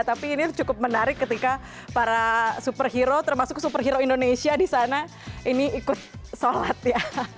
tapi ini cukup menarik ketika para superhero termasuk superhero indonesia di sana ini ikut sholat ya